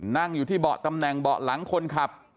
นั่งอยู่ที่เบาะตำแหน่งเบาะหลังคนขับ